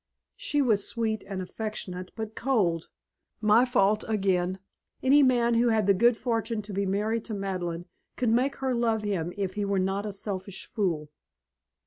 She was sweet and affectionate but cold my fault again. Any man who had the good fortune to be married to Madeleine could make her love him if he were not a selfish fool.